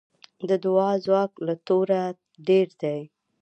د دعا ځواک له توره ډېر دی.